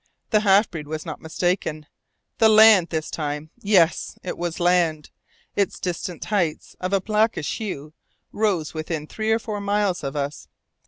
The half breed was not mistaken. The land this time yes! it was land! Its distant heights, of a blackish hue, rose within three or four miles of us.